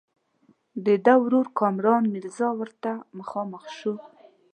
د ده ورور کامران میرزا ورته مخامخ شو.